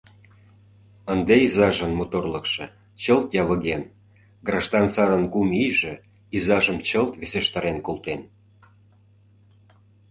Ынде изажын моторлыкшо чылт явыген, граждан сарын кум ийже изажым чылт весештарен колтен.